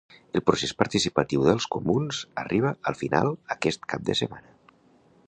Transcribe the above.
El procés participatiu dels comuns arriba al final aquest cap de setmana.